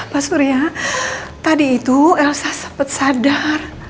mas surya tadi itu elsa sempat sadar